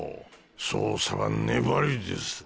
捜査は粘りです。